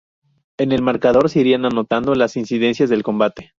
En el marcador se irán anotando las incidencias del combate.